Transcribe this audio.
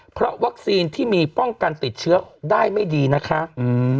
เพราะวัคซีนที่มีป้องกันติดเชื้อได้ไม่ดีนะคะอืม